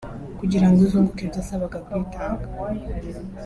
Kugira ngo uzunguke byasabaga kwitanga